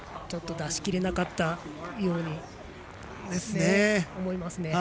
ちょっと出し切れなかったように思います。